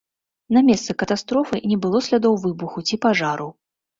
На месцы катастрофы не было слядоў выбуху ці пажару.